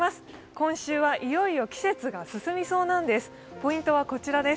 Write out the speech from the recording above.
今週はいよいよ季節が進みそうなんです。